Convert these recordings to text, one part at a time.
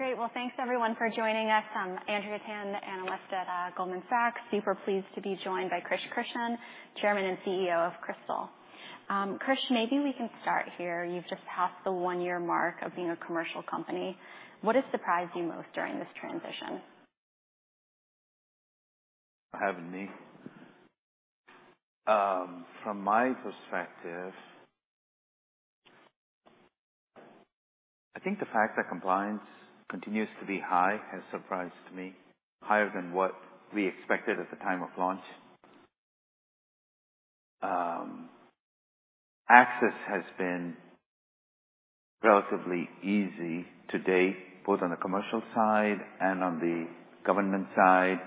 All right. Great. Well, thanks everyone for joining us. I'm Andrea Tan, analyst at Goldman Sachs. Super pleased to be joined by Krish Krishnan, Chairman and CEO of Krystal. Krish, maybe we can start here. You've just passed the one-year mark of being a commercial company. What has surprised you most during this transition? Having me. From my perspective, I think the fact that compliance continues to be high has surprised me, higher than what we expected at the time of launch. Access has been relatively easy to date, both on the commercial side and on the government side.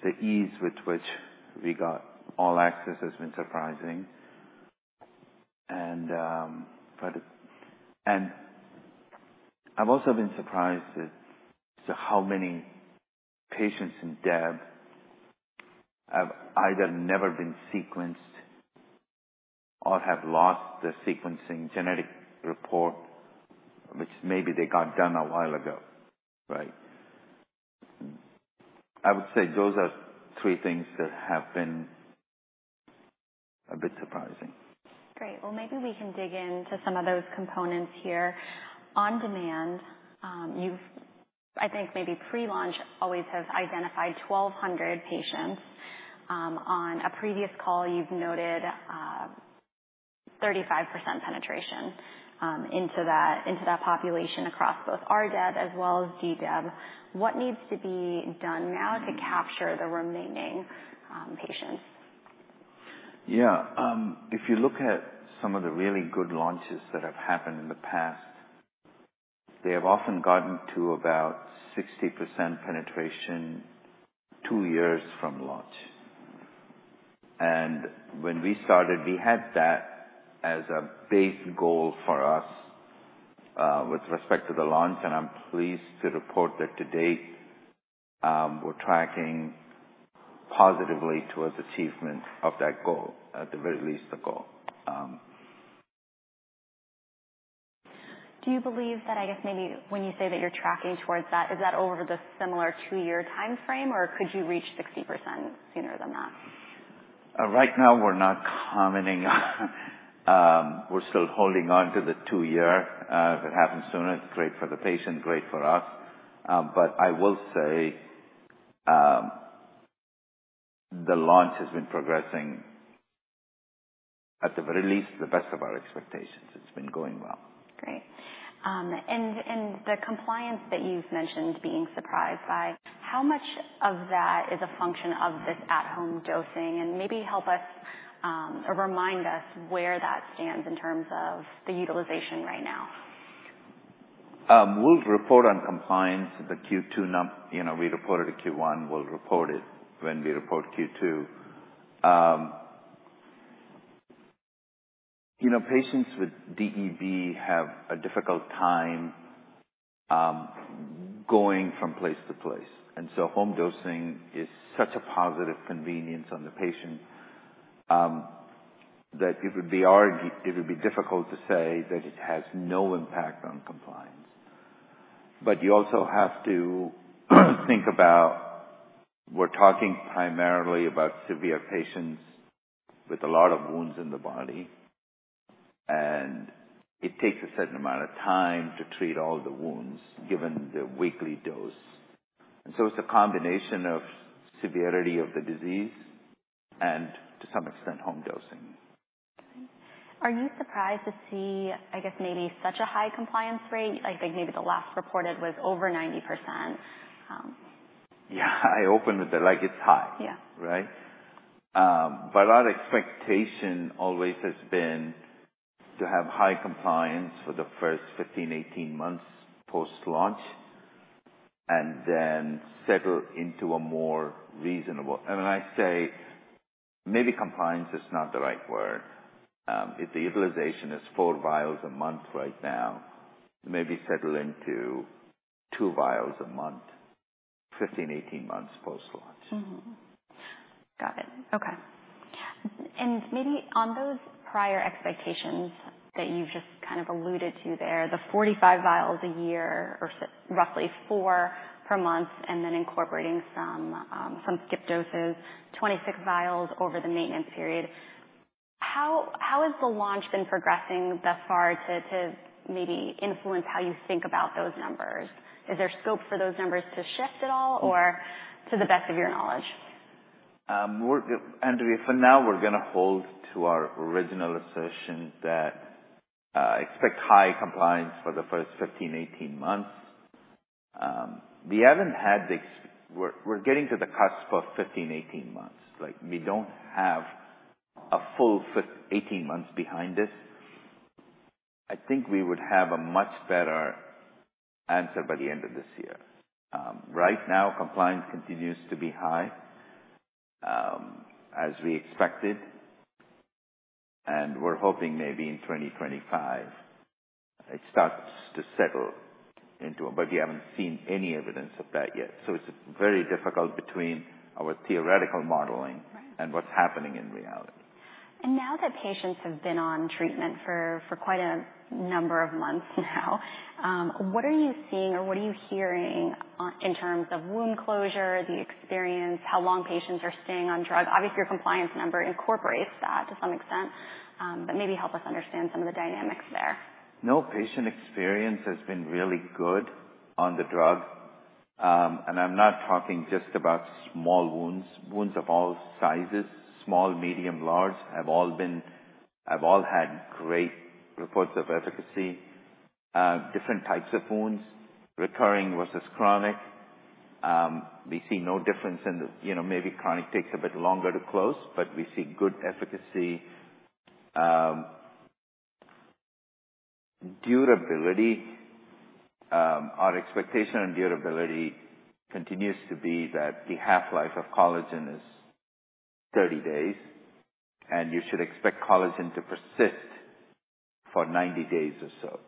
The ease with which we got all access has been surprising. I've also been surprised at how many patients with DEB have either never been sequenced or have lost the sequencing genetic report, which maybe they got done a while ago. Right? I would say those are three things that have been a bit surprising. Great. Well, maybe we can dig into some of those components here. On the TAM, I think maybe pre-launch analysis identified 1,200 patients. On a previous call, you've noted 35% penetration into that population across both RDEB as well as DDEB. What needs to be done now to capture the remaining patients? Yeah. If you look at some of the really good launches that have happened in the past, they have often gotten to about 60% penetration two years from launch. And when we started, we had that as a base goal for us with respect to the launch. And I'm pleased to report that to date, we're tracking positively towards achievement of that goal, at the very least the goal. Do you believe that, I guess, maybe when you say that you're tracking towards that, is that over the similar two-year time frame, or could you reach 60% sooner than that? Right now, we're not commenting. We're still holding on to the two-year. If it happens sooner, it's great for the patient, great for us. But I will say the launch has been progressing, at the very least, the best of our expectations. It's been going well. Great. And the compliance that you've mentioned being surprised by, how much of that is a function of this at-home dosing? And maybe help us or remind us where that stands in terms of the utilization right now. We'll report on compliance at the Q2. We reported at Q1. We'll report it when we report Q2. Patients with DEB have a difficult time going from place to place. And so home dosing is such a positive convenience on the patient that it would be difficult to say that it has no impact on compliance. But you also have to think about, we're talking primarily about severe patients with a lot of wounds in the body. And it takes a certain amount of time to treat all the wounds given the weekly dose. And so it's a combination of severity of the disease and, to some extent, home dosing. Are you surprised to see, I guess, maybe such a high compliance rate? I think maybe the last reported was over 90%. Yeah. I open with that. It's high. Right? But our expectation always has been to have high compliance for the first 15-18 months post-launch and then settle into a more reasonable—and when I say maybe compliance is not the right word. If the utilization is four vials a month right now, maybe settle into two vials a month, 15-18 months post-launch. Got it. Okay. And maybe on those prior expectations that you've just kind of alluded to there, the 45 vials a year or roughly four per month and then incorporating some skipped doses, 26 vials over the maintenance period, how has the launch been progressing thus far to maybe influence how you think about those numbers? Is there scope for those numbers to shift at all or to the best of your knowledge? Andrea, for now, we're going to hold to our original assertion that expect high compliance for the first 15-18 months. We haven't had the—we're getting to the cusp of 15-18 months. We don't have a full 18 months behind us. I think we would have a much better answer by the end of this year. Right now, compliance continues to be high as we expected. And we're hoping maybe in 2025 it starts to settle into a—but we haven't seen any evidence of that yet. So it's very difficult between our theoretical modeling and what's happening in reality. Now that patients have been on treatment for quite a number of months now, what are you seeing or what are you hearing in terms of wound closure, the experience, how long patients are staying on drug? Obviously, your compliance number incorporates that to some extent, but maybe help us understand some of the dynamics there. No, patient experience has been really good on the drug. I'm not talking just about small wounds. Wounds of all sizes, small, medium, large have all had great reports of efficacy. Different types of wounds, recurring versus chronic. We see no difference in the, maybe chronic takes a bit longer to close, but we see good efficacy. Durability. Our expectation on durability continues to be that the half-life of collagen is 30 days, and you should expect collagen to persist for 90 days or so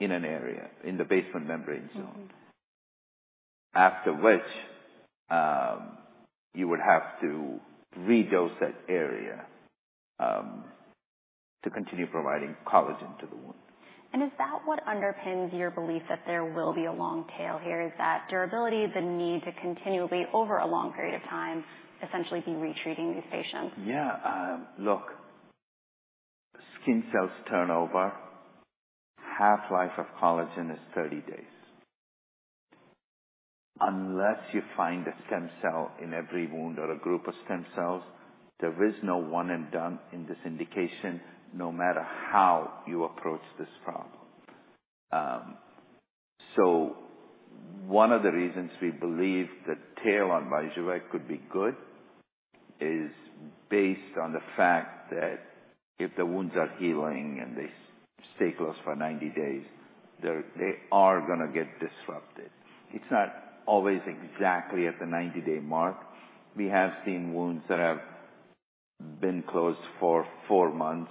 in an area in the basement membrane zone. After which, you would have to redose that area to continue providing collagen to the wound. Is that what underpins your belief that there will be a long tail here? Is that durability, the need to continually over a long period of time essentially be re-treating these patients? Yeah. Look, skin cells turnover, half-life of collagen is 30 days. Unless you find a stem cell in every wound or a group of stem cells, there is no one-and-done in this indication no matter how you approach this problem. So one of the reasons we believe the tail on Vyjuvek could be good is based on the fact that if the wounds are healing and they stay closed for 90 days, they are going to get disrupted. It's not always exactly at the 90-day mark. We have seen wounds that have been closed for 4 months,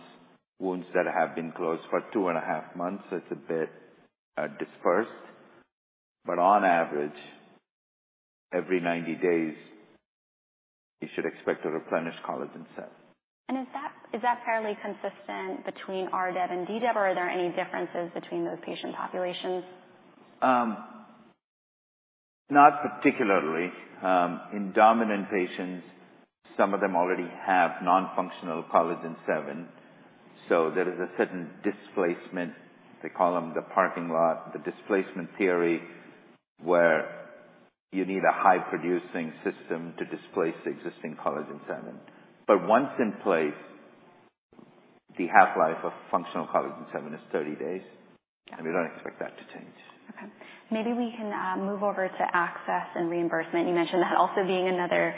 wounds that have been closed for 2.5 months. It's a bit dispersed. But on average, every 90 days, you should expect a replenished collagen cell. Is that fairly consistent between RDEB and DDEB, or are there any differences between those patient populations? Not particularly. In dominant patients, some of them already have nonfunctional collagen 7. So there is a certain displacement. They call them the parking lot, the displacement theory, where you need a high-producing system to displace existing collagen 7. But once in place, the half-life of functional collagen 7 is 30 days. And we don't expect that to change. Okay. Maybe we can move over to access and reimbursement. You mentioned that also being another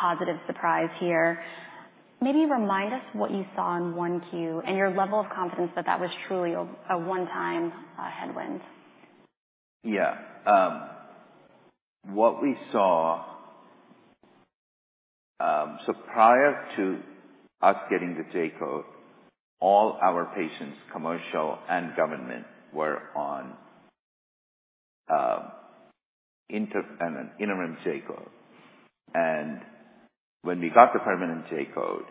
positive surprise here. Maybe remind us what you saw in 1Q and your level of confidence that that was truly a one-time headwind. Yeah. What we saw, so prior to us getting the J-code, all our patients, commercial and government, were on interim J-code. And when we got the permanent J-code,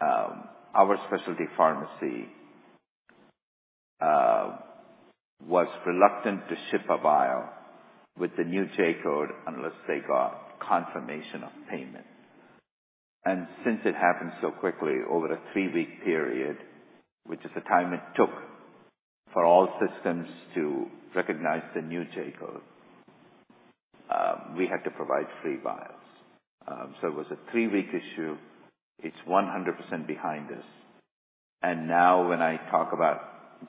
our specialty pharmacy was reluctant to ship a vial with the new J-code unless they got confirmation of payment. And since it happened so quickly over a three-week period, which is the time it took for all systems to recognize the new J-code, we had to provide free vials. So it was a three-week issue. It's 100% behind us. And now when I talk about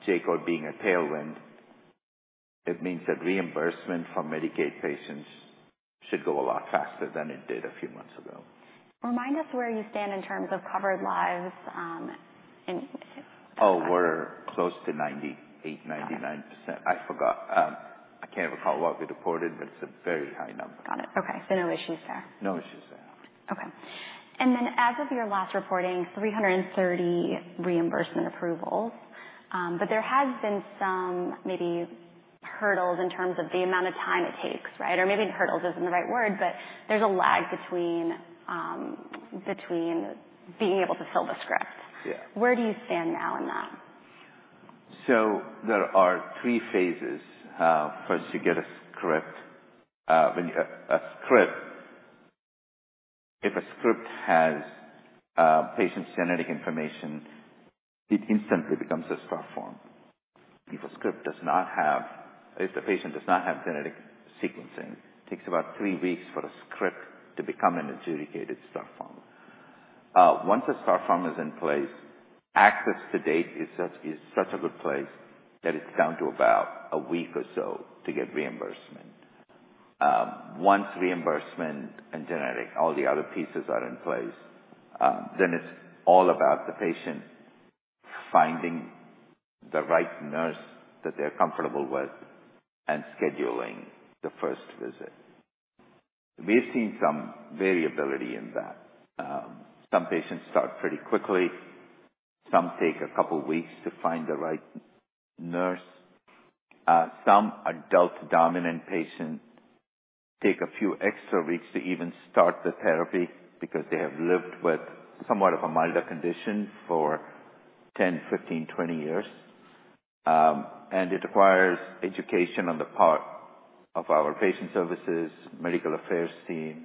J-code being a tailwind, it means that reimbursement for Medicaid patients should go a lot faster than it did a few months ago. Remind us where you stand in terms of covered lives? Oh, we're close to 98%-99%. I forgot. I can't recall what we reported, but it's a very high number. Got it. Okay. So no issues there. No issues there. Okay. And then as of your last reporting, 330 reimbursement approvals. But there has been some maybe hurdles in terms of the amount of time it takes. Right? Or maybe hurdles isn't the right word, but there's a lag between being able to fill the script. Where do you stand now in that? There are three phases. First, you get a script. If a script has patient's genetic information, it instantly becomes a Start Form. If the patient does not have genetic sequencing, it takes about three weeks for a script to become an adjudicated Start Form. Once a Start Form is in place, as of today it's in such a good place that it's down to about a week or so to get reimbursement. Once reimbursement and genetic, all the other pieces are in place, then it's all about the patient finding the right nurse that they're comfortable with and scheduling the first visit. We've seen some variability in that. Some patients start pretty quickly. Some take a couple of weeks to find the right nurse. Some adult dominant patients take a few extra weeks to even start the therapy because they have lived with somewhat of a milder condition for 10, 15, 20 years. It requires education on the part of our patient services, medical affairs team,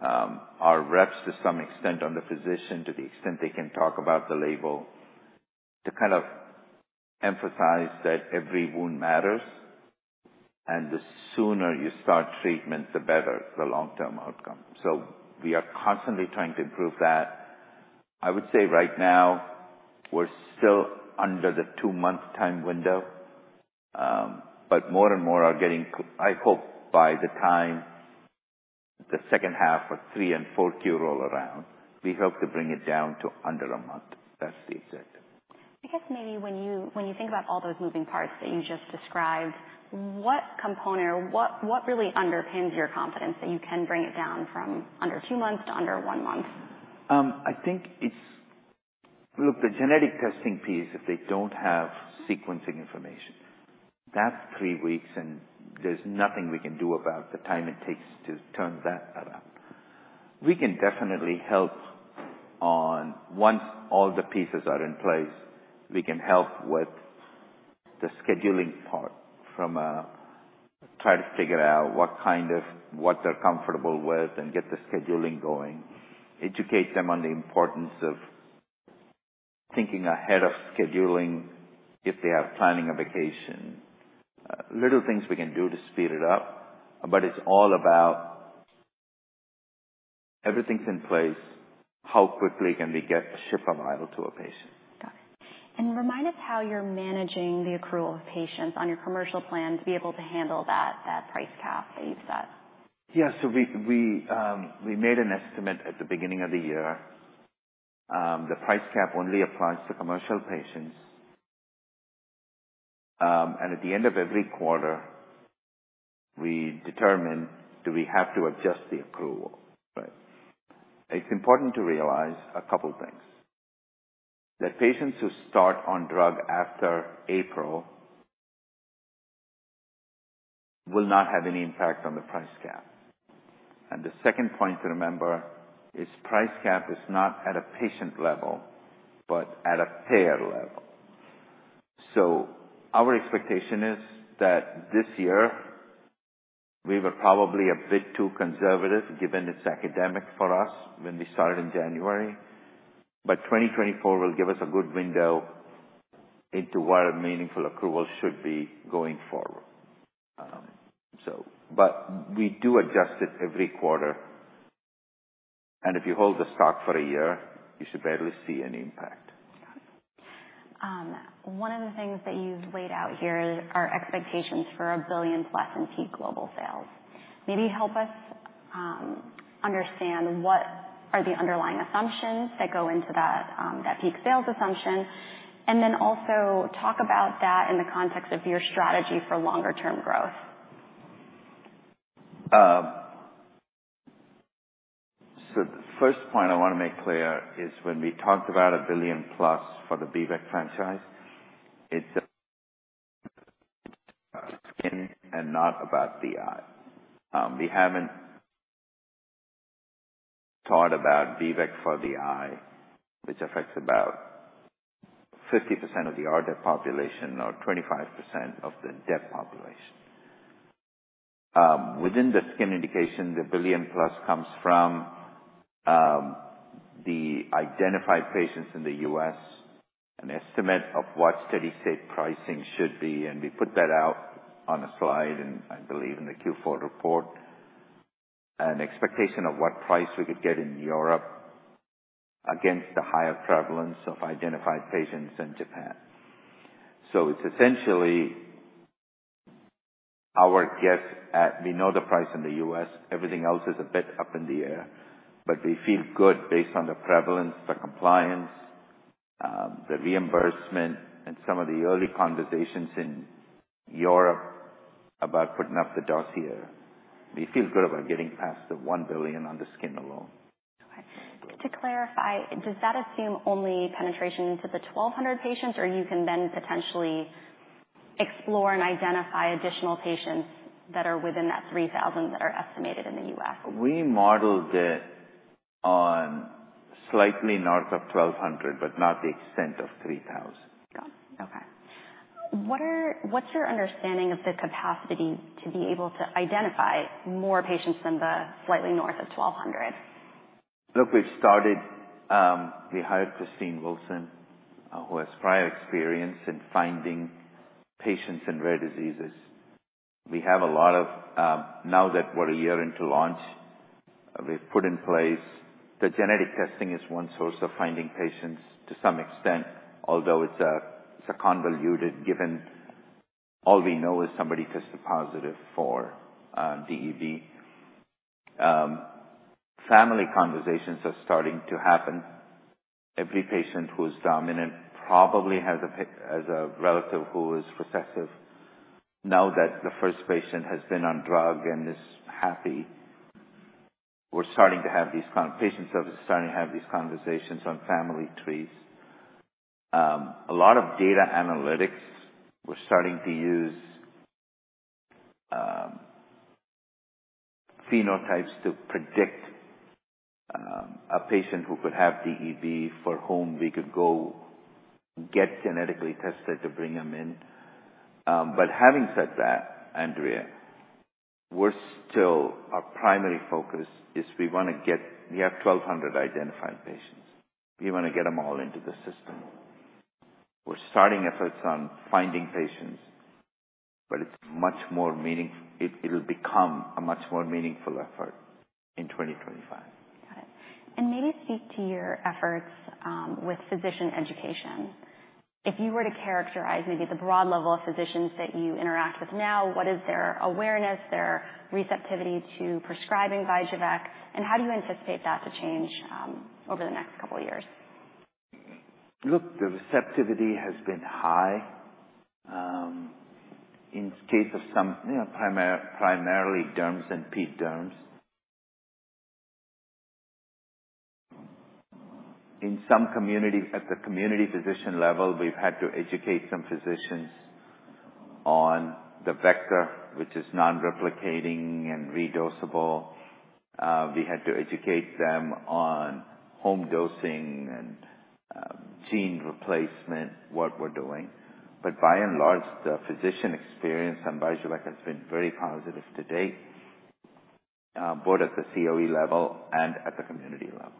our reps to some extent on the physician to the extent they can talk about the label to kind of emphasize that every wound matters. The sooner you start treatment, the better the long-term outcome. We are constantly trying to improve that. I would say right now, we're still under the two-month time window. But more and more are getting—I hope by the time the second half of 3 and 4 Q roll around, we hope to bring it down to under a month. That's the exact time. I guess maybe when you think about all those moving parts that you just described, what component or what really underpins your confidence that you can bring it down from under two months to under one month? I think it's, look, the genetic testing piece, if they don't have sequencing information, that's three weeks, and there's nothing we can do about the time it takes to turn that around. We can definitely help once all the pieces are in place. We can help with the scheduling part from trying to figure out what they're comfortable with and get the scheduling going, educate them on the importance of thinking ahead of scheduling if they have planning a vacation. Little things we can do to speed it up. But it's all about everything's in place. How quickly can we ship a vial to a patient? Got it. Remind us how you're managing the accrual of patients on your commercial plan to be able to handle that price cap that you've set? Yeah. So we made an estimate at the beginning of the year. The price cap only applies to commercial patients. And at the end of every quarter, we determine, "Do we have to adjust the accrual?" Right? It's important to realize a couple of things. That patients who start on drug after April will not have any impact on the price cap. And the second point to remember is price cap is not at a patient level but at a payer level. So our expectation is that this year, we were probably a bit too conservative given it's academic for us when we started in January. But 2024 will give us a good window into what a meaningful accrual should be going forward. But we do adjust it every quarter. And if you hold the stock for a year, you should barely see any impact. Got it. One of the things that you've laid out here are expectations for $1 billion-plus in peak global sales. Maybe help us understand what are the underlying assumptions that go into that peak sales assumption and then also talk about that in the context of your strategy for longer-term growth. So the first point I want to make clear is when we talked about $1 billion-plus for the B-VEC franchise, it's about the skin and not about the eye. We haven't thought about B-VEC for the eye, which affects about 50% of the RDEB population or 25% of the DEB population. Within the skin indication, the $1 billion-plus comes from the identified patients in the U.S., an estimate of what steady-state pricing should be. And we put that out on a slide and I believe in the Q4 report, an expectation of what price we could get in Europe against the higher prevalence of identified patients in Japan. So it's essentially our guess at we know the price in the U.S. Everything else is a bit up in the air. But we feel good based on the prevalence, the compliance, the reimbursement, and some of the early conversations in Europe about putting up the dossier. We feel good about getting past the $1 billion on the skin alone. Okay. To clarify, does that assume only penetration into the 1,200 patients, or you can then potentially explore and identify additional patients that are within that 3,000 that are estimated in the U.S.? We modeled it on slightly north of 1,200 but not the extent of 3,000. Got it. Okay. What's your understanding of the capacity to be able to identify more patients than the slightly north of 1,200? Look, we've started—we hired Christine Wilson, who has prior experience in finding patients in rare diseases. We have a lot of—now that we're a year into launch, we've put in place the genetic testing is one source of finding patients to some extent, although it's convoluted given all we know is somebody tested positive for DEB. Family conversations are starting to happen. Every patient who is dominant probably has a relative who is recessive. Now that the first patient has been on drug and is happy, we're starting to have these—patient service is starting to have these conversations on family trees. A lot of data analytics. We're starting to use phenotypes to predict a patient who could have DEB for whom we could go get genetically tested to bring them in. But having said that, Andrea, we're still—our primary focus is we want to get—we have 1,200 identified patients. We want to get them all into the system. We're starting efforts on finding patients, but it's much more meaningful. It'll become a much more meaningful effort in 2025. Got it. And maybe speak to your efforts with physician education. If you were to characterize maybe the broad level of physicians that you interact with now, what is their awareness, their receptivity to prescribing B-VEC, and how do you anticipate that to change over the next couple of years? Look, the receptivity has been high in case of some, primarily derms and ped derms. In some community, at the community physician level, we've had to educate some physicians on the vector, which is non-replicating and re-dosable. We had to educate them on home dosing and gene replacement, what we're doing. But by and large, the physician experience on B-VEC has been very positive to date, both at the COE level and at the community level.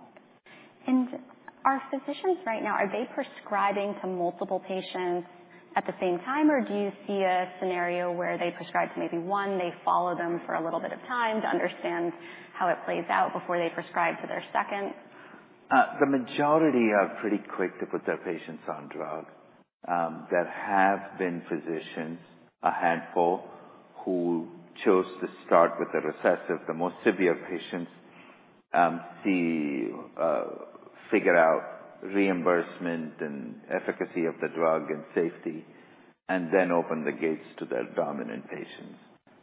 Our physicians right now, are they prescribing to multiple patients at the same time, or do you see a scenario where they prescribe to maybe one, they follow them for a little bit of time to understand how it plays out before they prescribe to their second? The majority are pretty quick to put their patients on drug. There have been physicians, a handful, who chose to start with the recessive. The more severe patients figure out reimbursement and efficacy of the drug and safety and then open the gates to their dominant patients.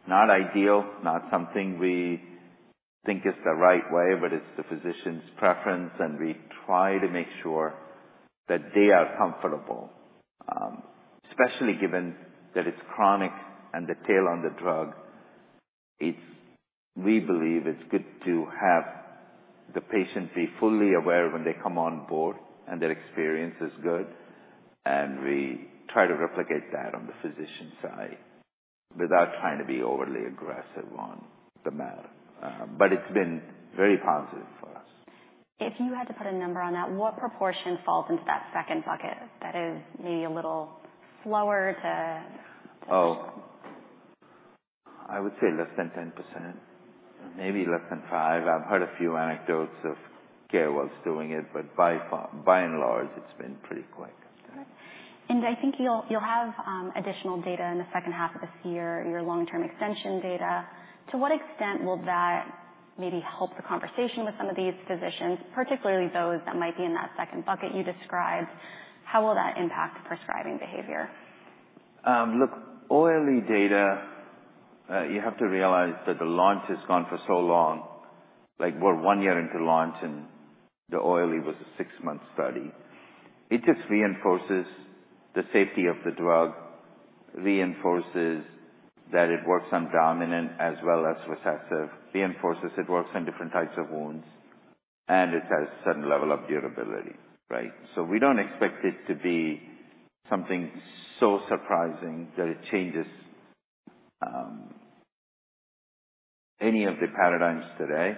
Not ideal, not something we think is the right way, but it's the physician's preference, and we try to make sure that they are comfortable, especially given that it's chronic and the tail on the drug. We believe it's good to have the patient be fully aware when they come on board and their experience is good. And we try to replicate that on the physician side without trying to be overly aggressive on the matter. But it's been very positive for us. If you had to put a number on that, what proportion falls into that second bucket that is maybe a little slower to? Oh, I would say less than 10%, maybe less than 5%. I've heard a few anecdotes of care while doing it, but by and large, it's been pretty quick. Got it. And I think you'll have additional data in the second half of this year, your long-term extension data. To what extent will that maybe help the conversation with some of these physicians, particularly those that might be in that second bucket you described? How will that impact prescribing behavior? Look, OLE data, you have to realize that the launch has gone for so long. We're one year into launch, and the OLE was a six-month study. It just reinforces the safety of the drug, reinforces that it works on dominant as well as recessive, reinforces it works on different types of wounds, and it has a certain level of durability. Right? So we don't expect it to be something so surprising that it changes any of the paradigms today,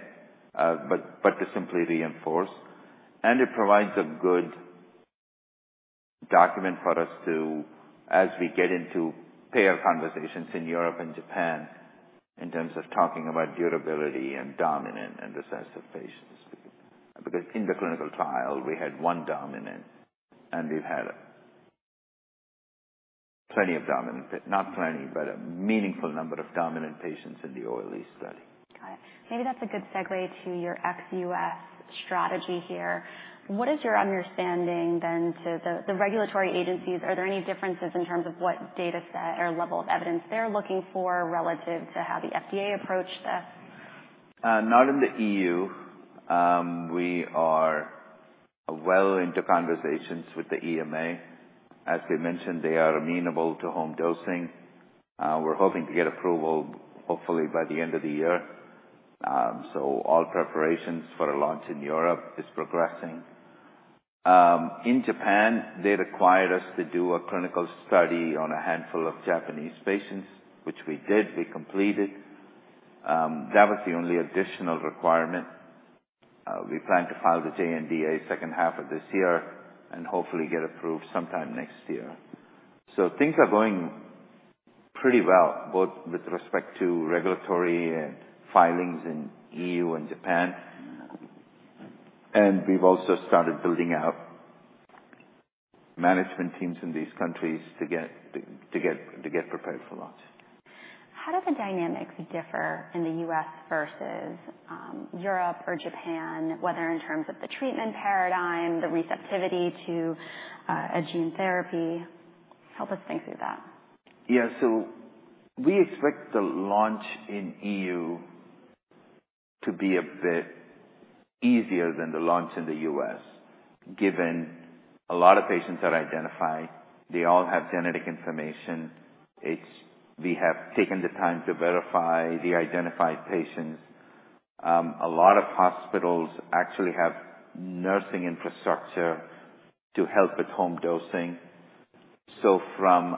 but to simply reinforce. And it provides a good document for us to, as we get into payer conversations in Europe and Japan, in terms of talking about durability and dominant and recessive patients. Because in the clinical trial, we had one dominant, and we've had plenty of dominant, not plenty, but a meaningful number of dominant patients in the OLE study. Got it. Maybe that's a good segue to your ex-U.S. strategy here. What is your understanding then to the regulatory agencies? Are there any differences in terms of what dataset or level of evidence they're looking for relative to how the FDA approached this? Not in the EU. We are well into conversations with the EMA. As we mentioned, they are amenable to home dosing. We're hoping to get approval, hopefully, by the end of the year. So all preparations for a launch in Europe are progressing. In Japan, they required us to do a clinical study on a handful of Japanese patients, which we did. We completed. That was the only additional requirement. We plan to file the JNDA second half of this year and hopefully get approved sometime next year. So things are going pretty well, both with respect to regulatory and filings in EU and Japan. We've also started building out management teams in these countries to get prepared for launch. How do the dynamics differ in the U.S. versus Europe or Japan, whether in terms of the treatment paradigm, the receptivity to a gene therapy? Help us think through that. Yeah. So we expect the launch in EU to be a bit easier than the launch in the US, given a lot of patients are identified. They all have genetic information. We have taken the time to verify the identified patients. A lot of hospitals actually have nursing infrastructure to help with home dosing. So from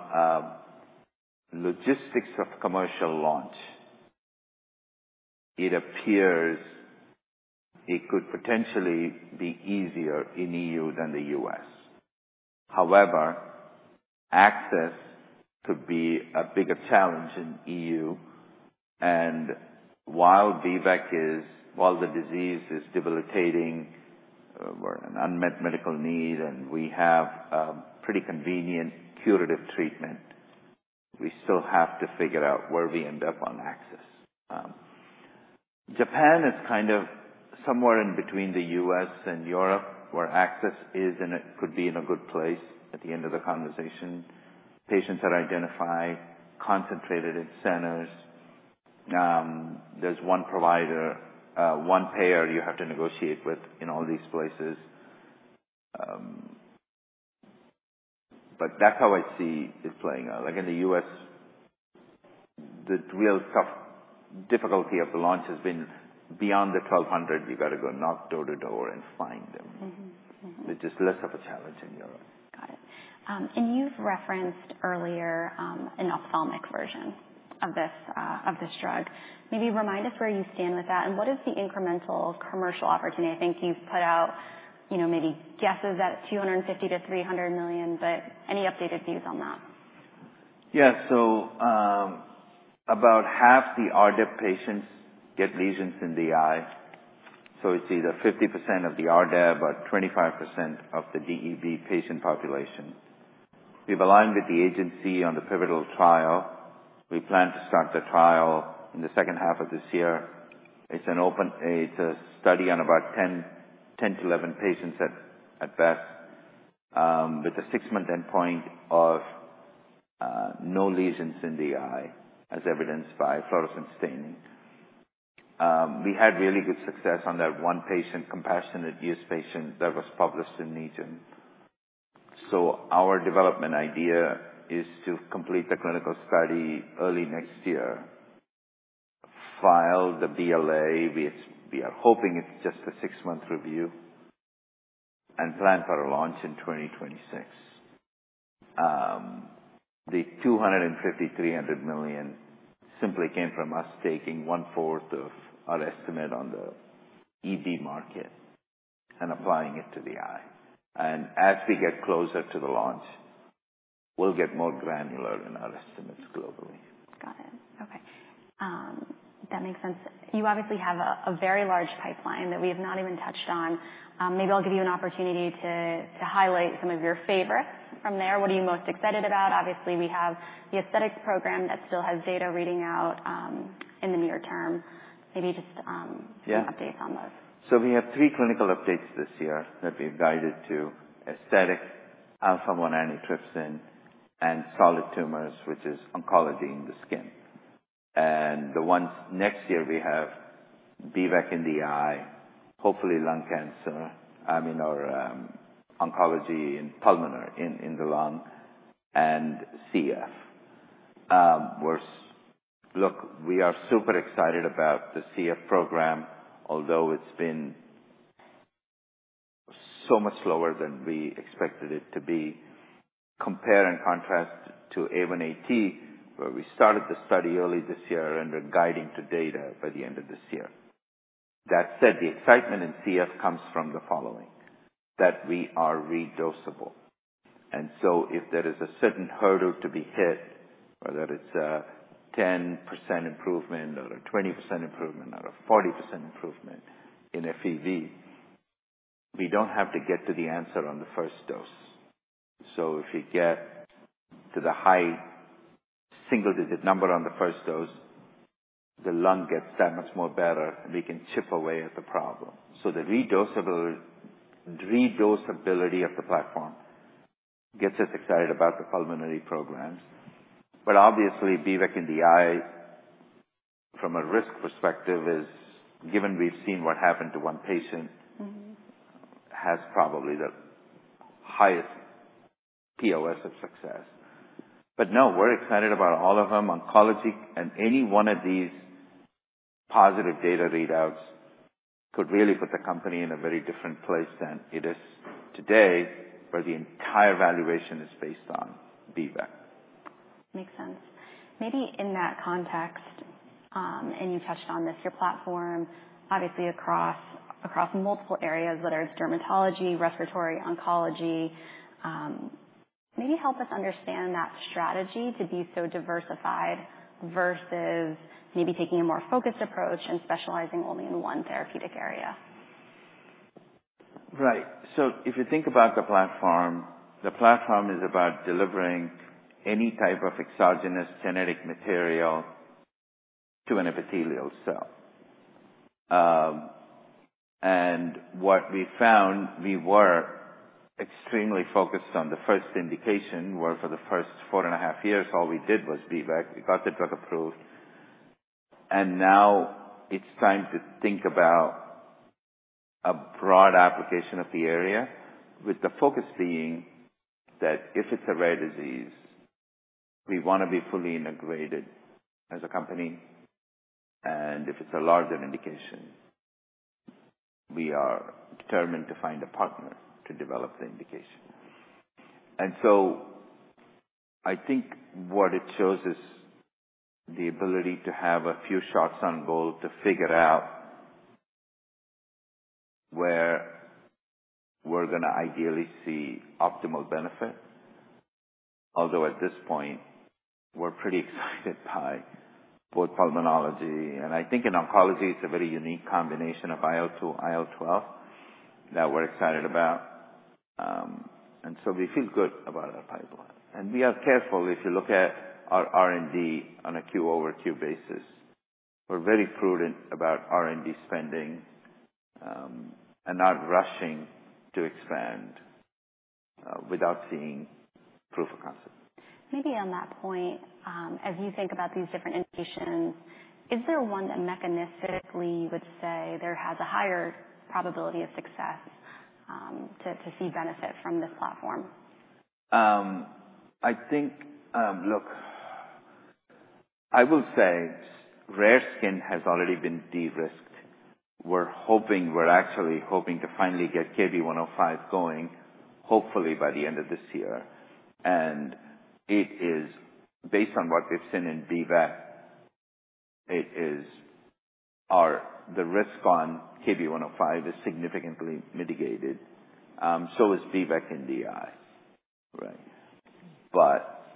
logistics of commercial launch, it appears it could potentially be easier in EU than the US. However, access could be a bigger challenge in EU. And while DEB is—while the disease is debilitating or an unmet medical need and we have pretty convenient curative treatment, we still have to figure out where we end up on access. Japan is kind of somewhere in between the US and Europe, where access is and it could be in a good place at the end of the conversation. Patients are identified, concentrated in centers. There's one provider, one payer you have to negotiate with in all these places. But that's how I see it playing out. In the U.S., the real tough difficulty of the launch has been beyond the 1,200. You've got to go knock door to door and find them, which is less of a challenge in Europe. Got it. And you've referenced earlier an ophthalmic version of this drug. Maybe remind us where you stand with that and what is the incremental commercial opportunity? I think you've put out maybe guesses at $250 million-300 million, but any updated views on that? Yeah. So about half the RDEB patients get lesions in the eye. So it's either 50% of the RDEB or 25% of the DDEB patient population. We've aligned with the agency on the pivotal trial. We plan to start the trial in the second half of this year. It's a study on about 10-11 patients at best, with a six-month endpoint of no lesions in the eye, as evidenced by fluorescein staining. We had really good success on that one patient, compassionate use patient that was published in NEJM. So our development idea is to complete the clinical study early next year, file the BLA. We are hoping it's just a six-month review and plan for a launch in 2026. The $250-300 million simply came from us taking one-fourth of our estimate on the EB market and applying it to the eye. As we get closer to the launch, we'll get more granular in our estimates globally. Got it. Okay. That makes sense. You obviously have a very large pipeline that we have not even touched on. Maybe I'll give you an opportunity to highlight some of your favorites from there. What are you most excited about? Obviously, we have the aesthetics program that still has data reading out in the near term. Maybe just some updates on those. Yeah. So we have three clinical updates this year that we've guided to: aesthetic, alpha-1 antitrypsin, and solid tumors, which is oncology in the skin. And the ones next year we have B-VEC in the eye, hopefully lung cancer. I mean, or oncology in pulmonary in the lung and CF. Look, we are super excited about the CF program, although it's been so much slower than we expected it to be. Compare and contrast to A1AT, where we started the study early this year and we're guiding to data by the end of this year. That said, the excitement in CF comes from the following: that we are redosable. And so if there is a certain hurdle to be hit, whether it's a 10% improvement or a 20% improvement or a 40% improvement in FEV, we don't have to get to the answer on the first dose. So if you get to the high single-digit number on the first dose, the lung gets that much more better, and we can chip away at the problem. So the redosability of the platform gets us excited about the pulmonary programs. But obviously, B-VEC in the eye, from a risk perspective, is, given we've seen what happened to one patient, has probably the highest POS of success. But no, we're excited about all of them. Oncology and any one of these positive data readouts could really put the company in a very different place than it is today, where the entire valuation is based on B-VEC. Makes sense. Maybe in that context, and you touched on this, your platform, obviously across multiple areas, whether it's dermatology, respiratory, oncology, maybe help us understand that strategy to be so diversified versus maybe taking a more focused approach and specializing only in one therapeutic area? Right. So if you think about the platform, the platform is about delivering any type of exogenous genetic material to an epithelial cell. And what we found, we were extremely focused on the first indication. For the first four and a half years, all we did was B-VEC. We got the drug approved. And now it's time to think about a broad application of the area, with the focus being that if it's a rare disease, we want to be fully integrated as a company. And if it's a larger indication, we are determined to find a partner to develop the indication. And so I think what it shows is the ability to have a few shots on goal to figure out where we're going to ideally see optimal benefit. Although at this point, we're pretty excited by both pulmonology. I think in oncology, it's a very unique combination of IL-2, IL-12 that we're excited about. So we feel good about our pipeline. We are careful. If you look at our R&D on a Q-over-Q basis, we're very prudent about R&D spending and not rushing to expand without seeing proof of concept. Maybe on that point, as you think about these different indications, is there one that mechanistically you would say there has a higher probability of success to see benefit from this platform? I think, look, I will say rare skin has already been de-risked. We're hoping, we're actually hoping to finally get KB105 going, hopefully by the end of this year. Based on what we've seen in B-VEC, the risk on KB105 is significantly mitigated. So is B-VEC in the eye. Right? But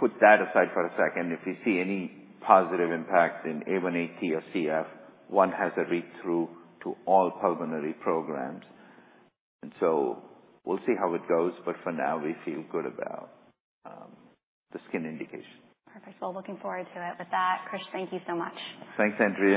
put that aside for a second. If we see any positive impact in A1AT or CF, one has a read-through to all pulmonary programs. And so we'll see how it goes. But for now, we feel good about the skin indication. Perfect. Well, looking forward to it. With that, Krish, thank you so much. Thanks, Andrea.